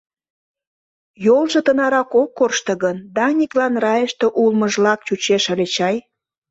Йолжо тынарак ок коршто гын, Даниклан райыште улмыжлак чучеш ыле чай.